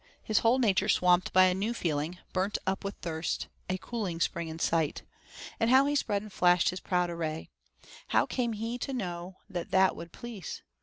His whole nature swamped by a new feeling burnt up with thirst a cooling spring in sight. And how he spread and flashed his proud array! How came he to know that that would please?